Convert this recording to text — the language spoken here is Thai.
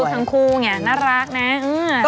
ดูเมืองคู่เงี้ยน่ารักนะ